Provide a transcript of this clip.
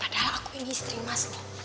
padahal aku ini istri mas